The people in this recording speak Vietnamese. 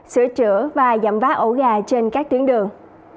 sửa chữa và giảm vá ấu gà trên các tuyến đường